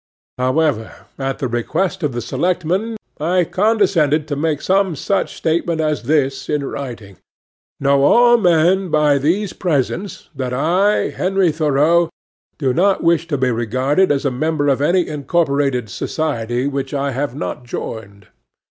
However, at the request of the selectmen, I condescended to make some such statement as this in writing:—"Know all men by these presents, that I, Henry Thoreau, do not wish to be regarded as a member of any incorporated society which I have not joined."